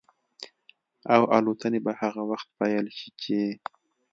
او الوتنې به هغه وخت پيل شي چې